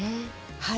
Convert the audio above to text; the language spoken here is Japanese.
はい。